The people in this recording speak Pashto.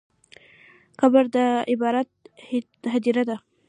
قبر د عبرت هدیره ده.